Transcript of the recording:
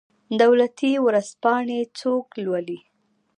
دولتي ورځپاڼې څوک لوالي؟